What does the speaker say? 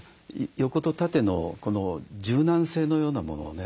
横と縦の柔軟性のようなものをね